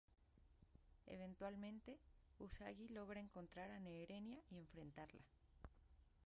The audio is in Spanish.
Eventualmente, Usagi logra encontrar a Neherenia y enfrentarla.